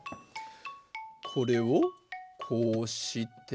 これをこうして。